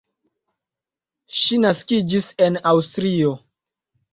Ŝi naskiĝis en Aŭstrio.